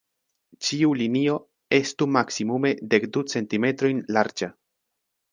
Ĉiu linio estu maksimume dek du centimetrojn larĝa.